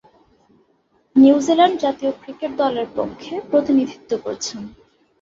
New Zealand জাতীয় cricket দলের পক্ষে প্রতিনিধিত্ব করেছেন।